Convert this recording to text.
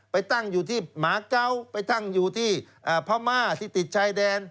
ไปตั้งอยู่ที่หมาเกาะไปตั้งอยู่ที่พม่าที่ติดชายแดน